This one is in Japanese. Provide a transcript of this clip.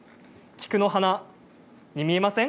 菊の花に見えません？